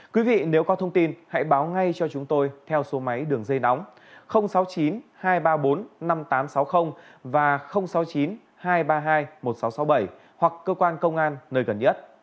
quý vị nếu có thông tin hãy báo ngay cho chúng tôi theo số máy đường dây nóng sáu mươi chín hai trăm ba mươi bốn năm nghìn tám trăm sáu mươi và sáu mươi chín hai trăm ba mươi hai một nghìn sáu trăm sáu mươi bảy hoặc cơ quan công an nơi gần nhất